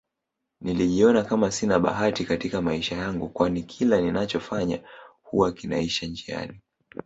Nilijiona Kama Sina bahati Katika maisha yangu kwani kila ninacho fanya huwa kinaisha njiani